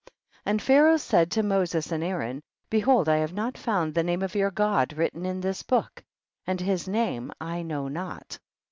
44. And Pharaoh said to Moses and Aaron, behold I have not found the name of your God written in this book, and his name I know not.